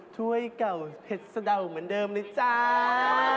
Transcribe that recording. ถ้วยเก่าเห็ดสะดาวเหมือนเดิมเลยจ้า